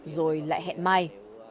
rồi lại hẹn mai